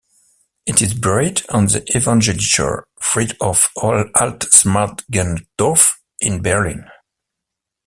He is buried on the Evangelischer Friedhof Alt-Schmargendorf in Berlin.